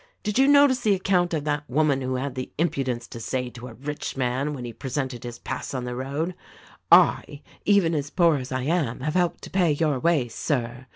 Did you notice the account of that woman who had the impudence to say to a rich man when he presented his pass on the road, T, even as poor as I am, have helped to pay your way, Sir